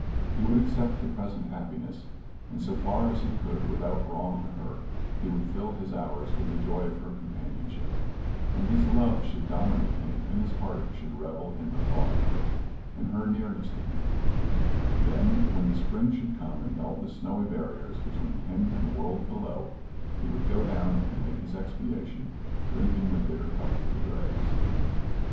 He would accept the present happiness, and so far as he could without wrong to her, he would fill his hours with the joy of her companionship, and his love should dominate him, and his heart should revel in the thought of her, and her nearness to him; then when the spring should come and melt the snowy barriers between him and the world below, he would go down and make his expiation, drinking the bitter cup to the dregs.